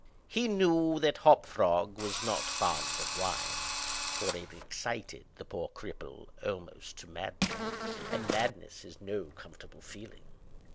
He knew that Hop Frog was not fond of wine, for it excited the poor cripple almost to madness; and madness is no comfortable feeling.